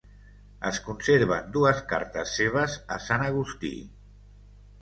Es conserven dues cartes seves a Sant Agustí.